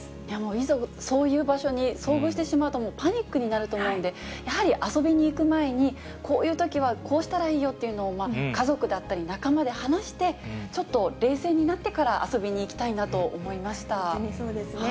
いざそういう場所に遭遇してしまうと、もうパニックになると思うんで、やはり遊びに行く前に、こういうときはこうしたらいいよっていうのを、家族だったり仲間で話して、ちょっと冷静になってから遊びにそうですね。